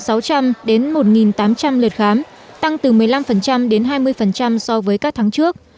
các bệnh viện đều có khoảng một tám trăm linh lượt khám tăng từ một mươi năm đến hai mươi so với các tháng trước